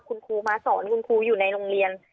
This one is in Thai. คุณครูมาสอนคุณครูอยู่ในโรงเรียน